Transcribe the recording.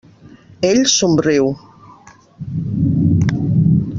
Ell somriu.